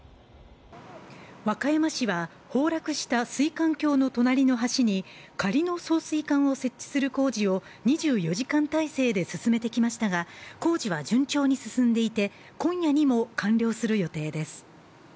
和歌山市は崩落した水管橋の隣の橋に仮の送水管を設置する工事を２４時間態勢で進めてきましたが工事は順調に進んでいて、今夜にも完了する予定です。